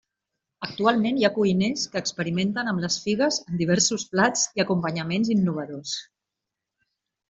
Actualment hi ha cuiners que experimenten amb les figues en diversos plats i acompanyaments innovadors.